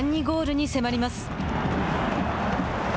果敢にゴールに迫ります。